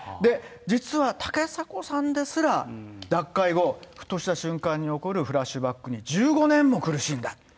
実は竹迫さんですら、脱会後、ふとした瞬間に起こるフラッシュバックに１５年も苦しんだ。